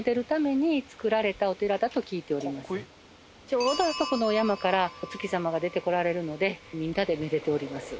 ちょうどあそこのお山からお月様が出てこられるのでみんなで愛でております。